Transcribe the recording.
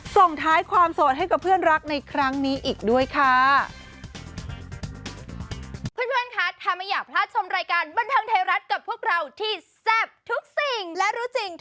ส่งท้ายความโสดให้กับเพื่อนรักในครั้งนี้อีกด้วยค่ะ